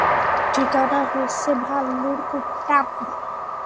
ঠিকানা হচ্ছে ভাল্লুর কুট্টাম?